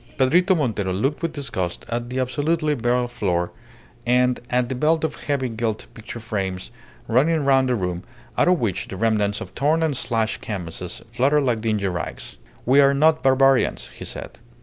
Pedrito Montero looked with disgust at the absolutely bare floor, and at the belt of heavy gilt picture frames running round the room, out of which the remnants of torn and slashed canvases fluttered like dingy rags. "We are not barbarians," he said.